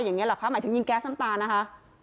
อย่างนี้เหรอคะหมายถึงยิงแก๊สน้ำตานะคะ